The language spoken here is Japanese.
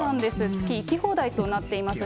月行き放題となっています。